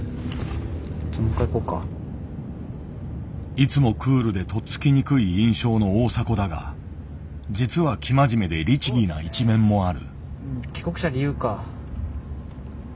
いつもクールでとっつきにくい印象の大迫だが実は生真面目で律儀な一面もある。